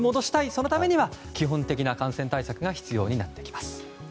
そのためには基本的な感染対策が必要になってきます。